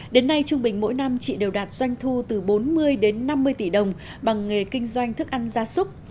đến nay trung bình mỗi năm chị đều đạt doanh thu từ bốn mươi đến năm mươi tỷ đồng bằng nghề kinh doanh thức ăn gia súc